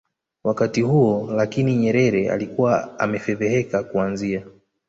wakati huo Lakini Nyerere alikuwa amefedheheka Kuanzia